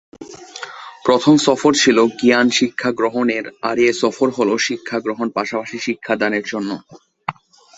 প্রথম সফর ছিল জ্ঞান শিক্ষা গ্রহণের আর এ সফর হলো শিক্ষা গ্রহণ পাশাপাশি শিক্ষাদানের জন্য।